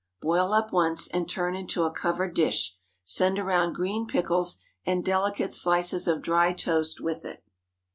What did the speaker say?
Boil up once, and turn into a covered dish. Send around green pickles and delicate slices of dry toast with it.